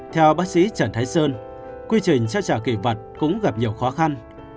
theo bác sĩ trần thái sơn quy trình trao trả kỷ vật cũng gặp nhiều khó khăn